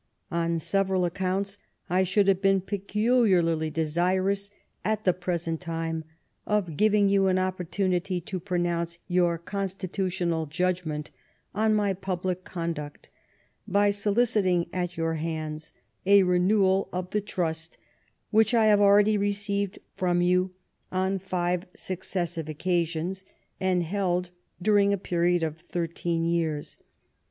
On several accounts I should have been peculiarly desirous at the present time of giving you an opportunity to pro nounce your constitutional judgment on my public conduct by soliciting at your hands a renewal of the trust which I have already received from you on five successive occasions, and held during a period of thirteen years.